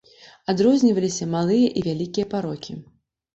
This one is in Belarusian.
Адрозніваліся малыя і вялікія парокі.